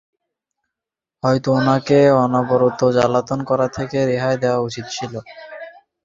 হয়ত উনাকে অনরবত জ্বালাতন করা থেকে রেহাই দেয়া উচিত ছিল।